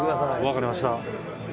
分かりました。